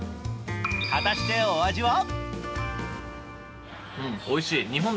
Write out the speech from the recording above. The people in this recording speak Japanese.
果たして、お味は？